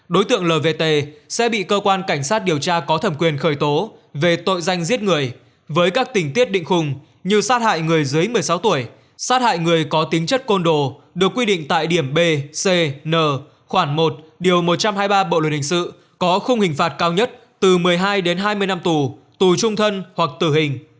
đối tượng lvt sẽ bị cơ quan cảnh sát điều tra có thẩm quyền khởi tố về tội danh giết người với các tình tiết định khùng như sát hại người dưới một mươi sáu tuổi sát hại người có tính chất côn đồ được quy định tại điểm b c n khoảng một điều một trăm hai mươi ba bộ luân hình sự có khung hình phạt cao nhất từ một mươi hai đến hai mươi năm tù tù trung thân hoặc tử hình